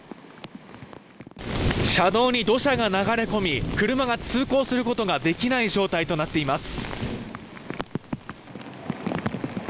車道に土砂が流れ込み車が通行することができない状態となっています。